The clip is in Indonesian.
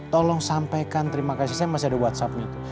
tolong sampaikan terima kasih saya masih ada whatsappnya itu